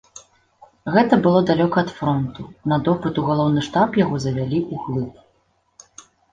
Гэта было далёка ад фронту, на допыт у галоўны штаб яго завялі ўглыб.